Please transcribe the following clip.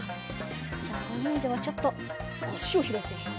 じゃあおにんじゃはちょっとあしをひらいてみよう。